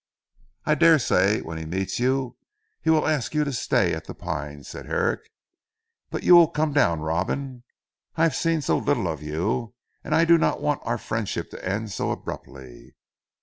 "I daresay when he meets you he will ask you to stay at 'The Pines,'" said Herrick, "but you will come down Robin? I have seen so little of you, and I do not want our friendship to end so abruptly."